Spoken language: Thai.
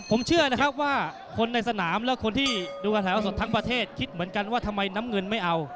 ผมเชื่อนะครับว่าคนในสนามและคนที่ดูแถวสดทั้งประเทศคิดเหมือนกันว่าทำไมน้ำเงินไม่เอา